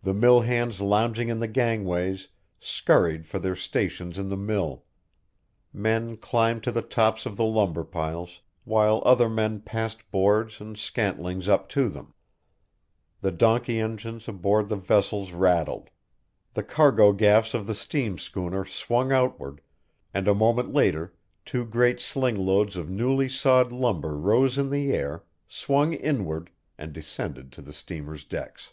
The mill hands lounging in the gangways scurried for their stations in the mill; men climbed to the tops of the lumber piles, while other men passed boards and scantlings up to them; the donkey engines aboard the vessels rattled; the cargo gaffs of the steam schooner swung outward, and a moment later two great sling loads of newly sawed lumber rose in the air, swung inward, and descended to the steamer's decks.